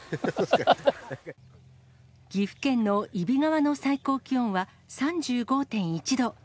岐阜県の揖斐川の最高気温は３５．１度。